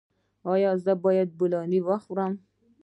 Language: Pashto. ایا زه باید بولاني وخورم؟